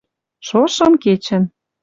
ШОШЫМ КЕЧӸН